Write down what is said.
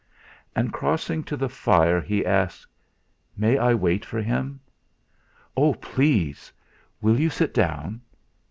And crossing to the fire he asked: "May I wait for him?" "Oh! Please! Will you sit down?"